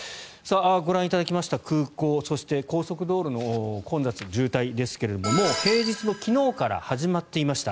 ご覧いただきました空港そして高速道路の混雑、渋滞ですがもう平日の昨日から始まっていました。